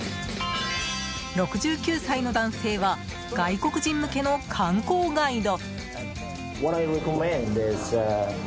６９歳の男性は外国人向けの観光ガイド。